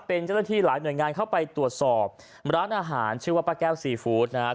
เป็นเจ้าหน้าที่หลายหน่วยงานเข้าไปตรวจสอบร้านอาหารชื่อว่าป้าแก้วซีฟู้ดนะครับ